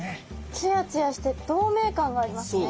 ツヤツヤして透明感がありますね。